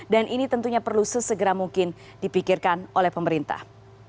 dan ini tentunya perlu sesegera mungkin dipikirkan oleh pemerintah